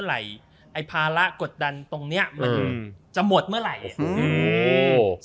ไอพาระกดดันตรงเนี้ยมันจะหมดเมื่อไหร่โอ้โห